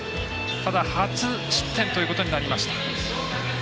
ただ、初失点ということになりました。